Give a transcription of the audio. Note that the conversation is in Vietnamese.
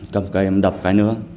cầm cây em đập cái nữa